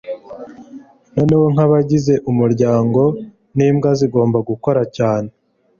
noneho nk'abagize umuryango, n'imbwa zigomba gukora cyane